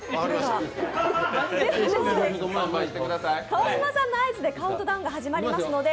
川島さんの合図でカウントダウンが始まりますので。